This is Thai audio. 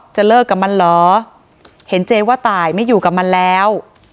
จะเลิกกับมันเหรอเห็นเจว่าตายไม่อยู่กับมันแล้ว